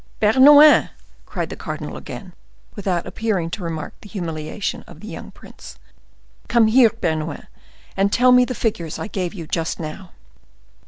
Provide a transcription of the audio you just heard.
"Bernouin!" cried the cardinal again, without appearing to remark the humiliation of the young prince. "Come here, Bernouin, and tell me the figures I gave you just now."